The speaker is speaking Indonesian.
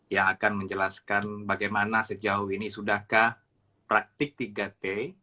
yang akan menjelaskan bagaimana sejauh ini sudahkah praktik tiga t